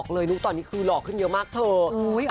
ก็เลยว่านุ๊กตอนนี้ลอขึ้นเยอะมากเถอะ